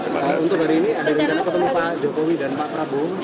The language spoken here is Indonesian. untuk hari ini ada rencana ketemu pak jokowi dan pak prabowo